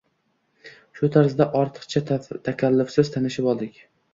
Shu tarzda ortiqcha takallufsiz tanishib oldik